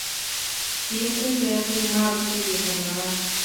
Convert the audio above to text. Siempre se hace el martes de carnaval.